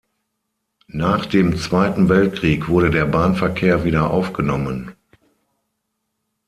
Nach dem Zweiten Weltkrieg wurde der Bahnverkehr wieder aufgenommen.